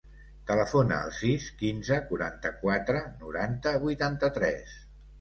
Telefona al sis, quinze, quaranta-quatre, noranta, vuitanta-tres.